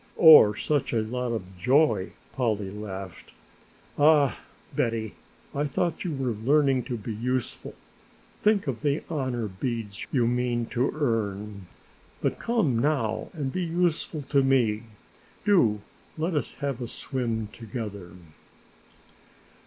"Or such a lot of joy!" Polly laughed. "Ah, Betty, I thought you were yearning to be useful; think of the honor beads you mean to earn! But come now and be useful to me; do let us have a swim together."